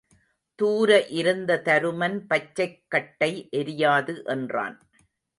தூர இருந்த தருமன் பச்சைக் கட்டை எரியாது என்றான்.